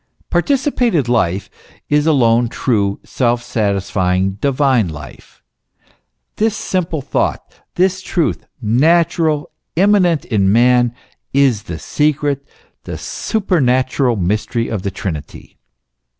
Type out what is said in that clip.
Participated life is alone true, self satisfying, divine life : this simple thought, this truth, natural, immanent in man, is the secret, the supernatural mystery of the Trinity.